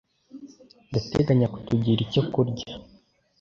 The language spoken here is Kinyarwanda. Ndateganya kutugira icyo kurya.